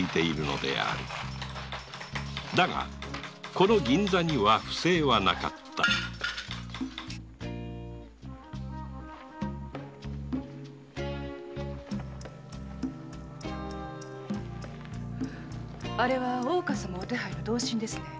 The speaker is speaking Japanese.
この銀座には不正はなかったあれは大岡様お手配の同心ですね。